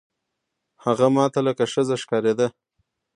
هغه ما ته لکه ښځه ښکارېده.